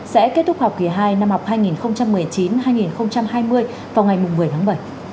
sẽ kết thúc học kỳ hai năm học hai nghìn một mươi chín hai nghìn hai mươi vào ngày một mươi tháng bảy